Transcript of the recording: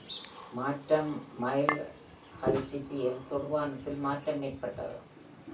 மாற்றம் mile high சிட்டியில் தொடுவானத்தில் மாற்றம் ஏற்பட்டது.